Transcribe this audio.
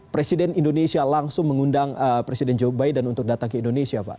presiden indonesia langsung mengundang presiden joe biden untuk datang ke indonesia pak